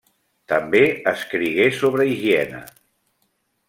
També escrigué sobre higiene.